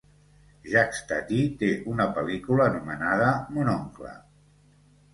Jacques Tati té una pel·lícula anomenada "Mon oncle"